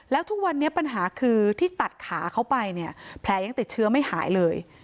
แล้วทุกวันนี้ปัญหาคือที่ตัดขาเข้าไปเนี่ยแผลยังติดเชื้อไม่หายเลย